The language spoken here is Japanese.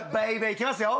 いきますよ！